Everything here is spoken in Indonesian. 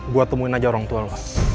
gue temuin aja orang tua lo